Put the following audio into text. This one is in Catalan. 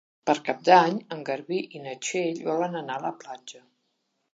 Per Cap d'Any en Garbí i na Txell volen anar a la platja.